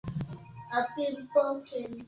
asanj anakabiliwa na mashitaka ya ubakaji